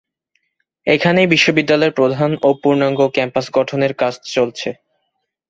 এখানেই বিশ্ববিদ্যালয়ের প্রধান ও পূর্ণাঙ্গ ক্যাম্পাস গঠনের কাজ চলছে।